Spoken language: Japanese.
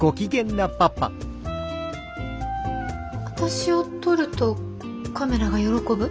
私を撮るとカメラが喜ぶ？